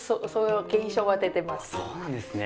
そうなんですね。